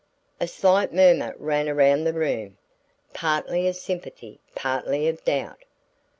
A slight murmur ran around the room, partly of sympathy, partly of doubt.